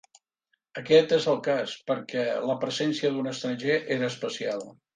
Aquest és el cas, perquè la presència d'un estranger era especial.